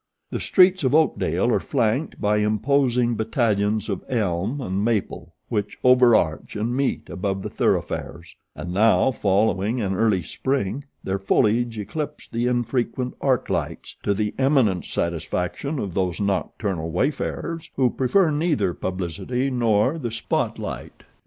The streets of Oakdale are flanked by imposing battalions of elm and maple which over arch and meet above the thoroughfares; and now, following an early Spring, their foliage eclipsed the infrequent arclights to the eminent satisfaction of those nocturnal wayfarers who prefer neither publicity nor the spot light.